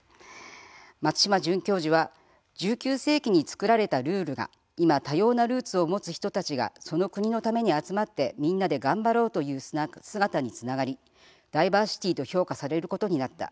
松島准教授は１９世紀に作られたルールが今、多様なルーツを持つ人たちがその国のために集まってみんなで頑張ろうという姿につながりダイバーシティーと評価されることになった。